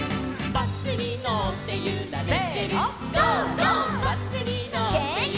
「バスにのってゆられてる」せの！